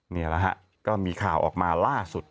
นี่แหละฮะก็มีข่าวออกมาล่าสุด